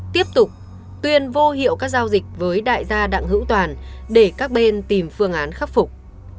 tiếp tục tuyên vô hiệu các giao dịch với đại gia đặng hữu toàn để các bên tìm phương án khắc phục